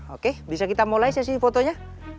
oke bisa kita mulai sesi fotonya